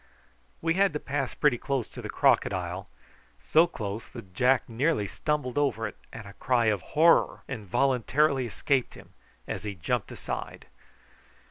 We had to pass pretty close to the crocodile, so close that Jack nearly stumbled over it, and a cry of horror involuntarily escaped him as he jumped aside.